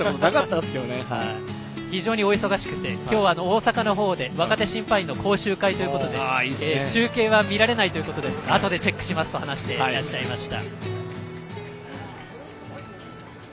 非常にお急がしくて今日は大阪のほうで若手審判員の講習会ということで中継は見られないのであとでチェックしますと話されていました。